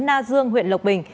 na dương huyện lộc bình